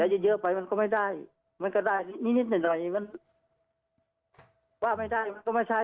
เหยียวไปมันก็ไม่ได้มันก็ได้นิดหน่อยว่าไม่ได้ก็ไม่ใช่